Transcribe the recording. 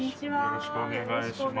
よろしくお願いします。